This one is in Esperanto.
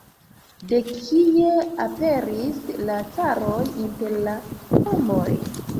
De kie aperis la caroj inter la homoj?